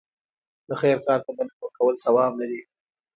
د خیر کار ته بلنه ورکول ثواب لري.